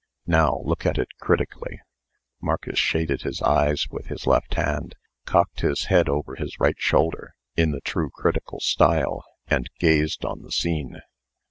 Now look at it critically." Marcus shaded his eyes with his left hand, cocked his head over his right shoulder, in the true critical style, and gazed on the scene.